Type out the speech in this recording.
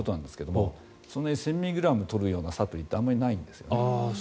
その１０００ｍｇを取るようなサプリってあまりないんですね。